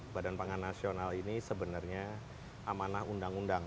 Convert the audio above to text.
badan pangan nasional ini sebenarnya amanah undang undang